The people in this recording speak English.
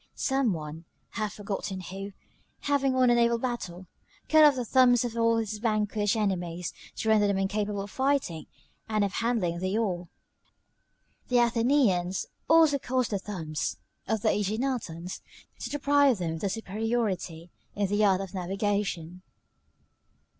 Some one, I have forgotten who, having won a naval battle, cut off the thumbs of all his vanquished enemies, to render them incapable of fighting and of handling the oar. The Athenians also caused the thumbs of the AEginatans to be cut off, to deprive them of the superiority in the art of navigation.